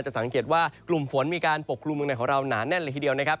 สังเกตว่ากลุ่มฝนมีการปกกลุ่มเมืองไหนของเราหนาแน่นเลยทีเดียวนะครับ